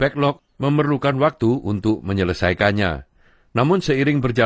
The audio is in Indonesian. saya tidak tahu bagaimana untuk menulis bahasa saya